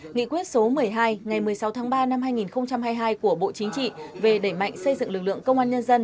nghị quyết số một mươi hai ngày một mươi sáu tháng ba năm hai nghìn hai mươi hai của bộ chính trị về đẩy mạnh xây dựng lực lượng công an nhân dân